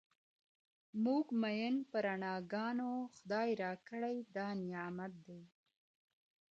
موږ مین په رڼا ګانو؛ خدای راکړی دا نعمت دی,